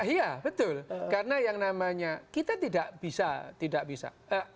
iya betul karena yang namanya kita tidak bisa tidak bisa